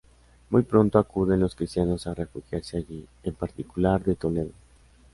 Muy pronto acuden los cristianos a refugiarse allí, en particular de Toledo.